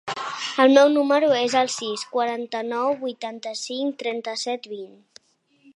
El meu número es el sis, quaranta-nou, vuitanta-cinc, trenta-set, vint.